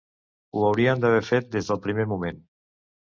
Ho hauríem d’haver fet des del primer moment.